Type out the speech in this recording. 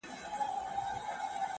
پخواني خلک تورې وربشې کرلې.